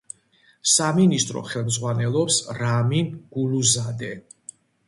სამინისტრო ხელმძღვანელობს რამინ გულუზადე.